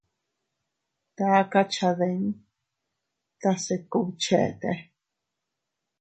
Taka cha dii tase kubchete.